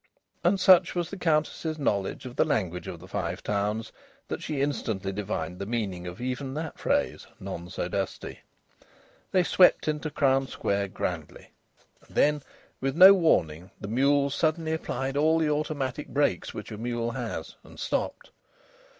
And such was the Countess's knowledge of the language of the Five Towns that she instantly divined the meaning of even that phrase, "none so dusty." They swept into Crown Square grandly. And then, with no warning, the mule suddenly applied all the automatic brakes which a mule has, and stopped.